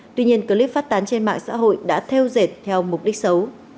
tuy nhiên clip phát tán trên mạng xã hội đã theo dệt theo mục đích xấu